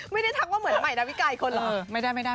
ไม่ได้ทักว่าเหมือนใหม่นะวิการ์อีกคนเหรอ